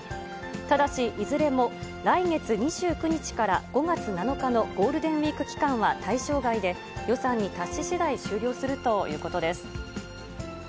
ただし、いずれも来月２９日から５月７日のゴールデンウィーク期間は対象外で、予算に達ししだい、終了するということです。